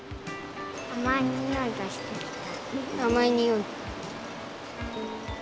あまいにおいがしてきた。